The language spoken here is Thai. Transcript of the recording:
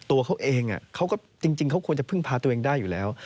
ตัวเขาเองเขาก็จริงเขาควรจะพึ่งพาตัวเองได้อยู่แล้ว